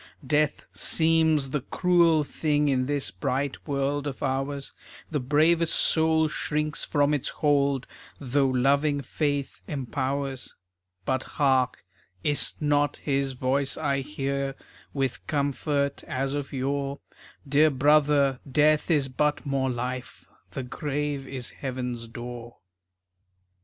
Death seems the cruel thing In this bright world of ours. The bravest soul shrinks from its hold Though loving faith empowers. But, hark! Is 't not his voice I hear, With comfort as of yore? "Dear brother, Death is but more Life, The grave is heaven's door."